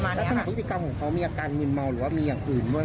ลักษณะพฤติกรรมของเขามีอาการมืนเมาหรือว่ามีอย่างอื่นด้วย